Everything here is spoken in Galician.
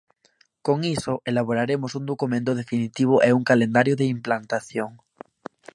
Con iso, elaboraremos un documento definitivo e un calendario de implantación.